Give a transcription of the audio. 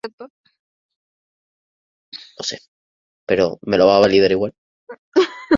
En la actualidad es Director de Personal en la franquicia de Charlotte Bobcats.